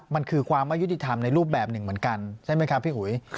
มันคือความไม่ยุติธรรมในรูปแบบหนึ่งเหมือนกันใช่ไหมครับพี่อุ๋ย